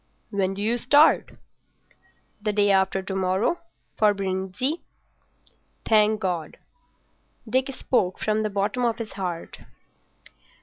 "When do you start?" "The day after to morrow—for Brindisi." "Thank God." Dick spoke from the bottom of his heart.